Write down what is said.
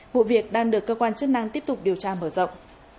vụ việc đang được cơ quan chức năng tiếp tục điều tra mở rộng